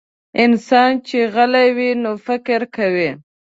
انسان چې غلی وي، نو فکر کوي.